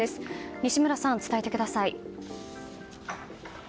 西村さん、伝えてください。